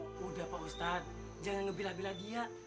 sudah pak ustadz jangan ngebila bela dia